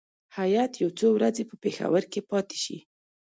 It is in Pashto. هیات یو څو ورځې په پېښور کې پاتې شي.